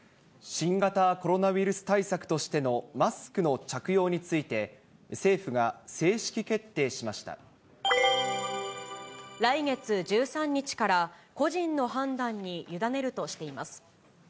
新型コロナウイルス対策としてのマスクの着用について、来月１３日から個人の判断に委ねるとしています。